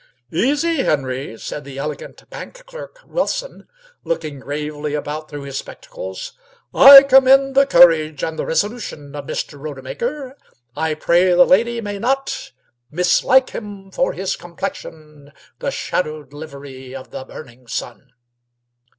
"Easy, Henry," said the elegant bank clerk, Wilson, looking gravely about through his spectacles. "I commend the courage and the resolution of Mr. Rodemaker. I pray the lady may not 'Mislike him for his complexion, The shadowed livery of the burning sun.'"